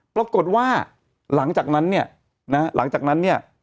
ปรากฏว่าหลังจากนั้นเนี่ยนะฮะหลังจากนั้นเนี่ย